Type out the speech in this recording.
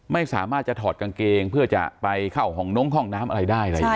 ไม่สามารถจะถอดกางเกงเพื่อจะไปเข้าห้องนงห้องน้ำอะไรได้อะไรอย่างนี้